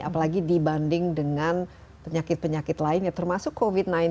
apalagi dibanding dengan penyakit penyakit lainnya termasuk covid sembilan belas